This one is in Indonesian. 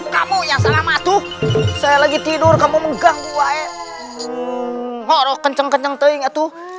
kamu yang sama tuh saya lagi tidur kamu mengganggu